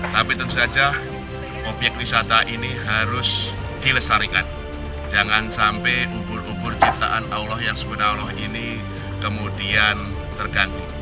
tapi tentu saja obyek wisata ini harus dilestarikan jangan sampai ubur ubur ciptaan allah yang sebenarnya allah ini kemudian terganggu